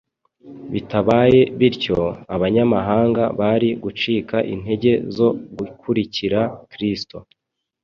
Bitabaye bityo Abanyamahanga bari gucika intege zo gukurikira Kristo.